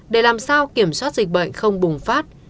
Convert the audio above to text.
để làm sao kiểm soát dịch bệnh không bùng phát